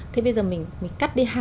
thế bây giờ mình cắt đi hẳn